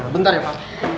bentar ya pak